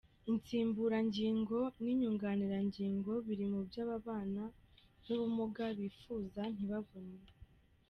Insimburangingo n’inyunganirangingo biri mu byo aba babana n’ubumuga bifuza ntibabone.